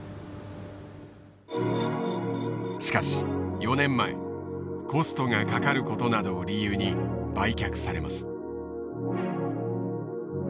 しかし４年前コストがかかることなどを理由に売却されます。